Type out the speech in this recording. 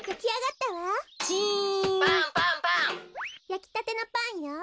やきたてのパンよ。